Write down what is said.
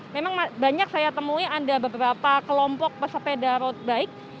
memang banyak saya temui ada beberapa kelompok pesepeda road bike